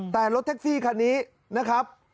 แต่รถแท็กซี่คันนี้นะครับ